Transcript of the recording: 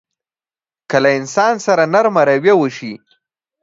که له انسان سره نرمه رويه وشي.